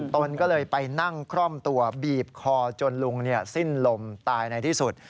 ตนก็เลยไปนั่งคล่อมตัวบีบคอจนลุงสิ้นลมตายในที่สุด